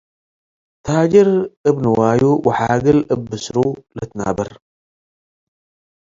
ታጅር እብ ንዋዩ ወሓግል እብ ብስሩ ልትናበር።